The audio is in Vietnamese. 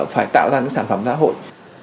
phải tạo ra những sản phẩm giã hội